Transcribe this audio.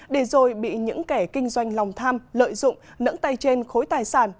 để rồi bị những kẻ kinh doanh lòng tham lợi dụng nưỡng tay trên khối tài sản